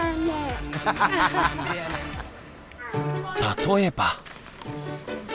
例えば。